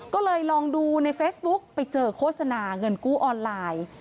ก็เลยลองดูในเฟซบุ๊กไปเจอโฆษณาเงินกู้ออนไลน์